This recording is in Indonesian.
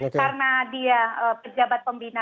karena dia pejabat pembina